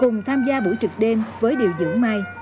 cùng tham gia buổi trực đêm với điều dưỡng mai